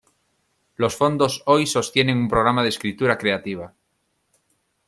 Los fondos hoy sostienen un programa de escritura creativa.